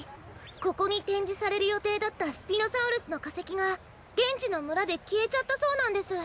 ここにてんじされるよていだったスピノサウルスのかせきがげんちのむらできえちゃったそうなんです。